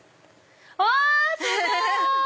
あすごい！